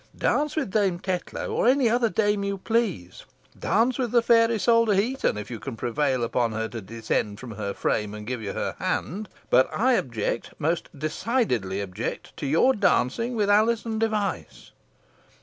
Dance with Dame Tetlow, or any other dame you please dance with the fair Isole de Heton, if you can prevail upon her to descend from her frame and give you her hand; but I object most decidedly object to your dancing with Alizon Device."